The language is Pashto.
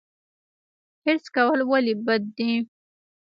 حرص کول ولې بد دي؟